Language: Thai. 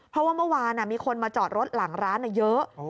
เพราะว่าเมื่อวานมีคนมาจอดรถหลังร้านเยอะ